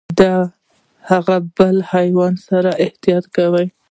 د هغه بل حیوان سره احتياط کوئ .